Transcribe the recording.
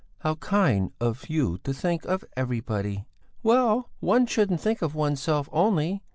How kind of you to think of everybody!" "Well, one shouldn't think of oneself only!